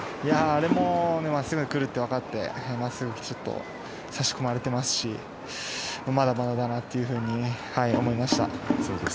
あれも真っすぐが来るとわかって真っすぐに差し込まれていますしまだまだだなって思いました。